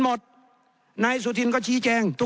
ไม่ชี้แจง